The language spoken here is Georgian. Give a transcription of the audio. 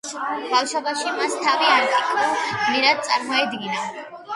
ბავშვობაში მას თავი ანტიკურ გმირად წარმოედგინა.